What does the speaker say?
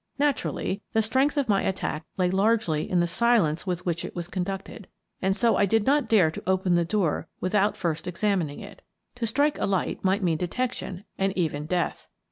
Nat urally, the strength of my attack lay largely in the silence with which it was conducted, and so I did not dare to open the door without first examining it To strike a light might mean detection and even death.